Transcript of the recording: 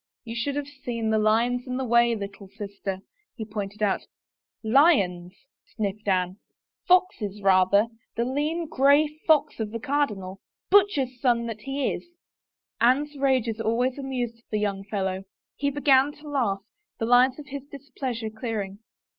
" You should have seen the lions in the way, little sister," he pointed out. " Lions !" sniffed Anne. " Foxes rather — the lean, gray fox of the cardinal. Butcher's son that he is !" 29 it THE FAVOR OF KINGS Anne's rages always amused the young fellow. He began to laugh, the lines of his displeasure clearing.